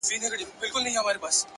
هره تېروتنه د پوهې یوه بیه ده!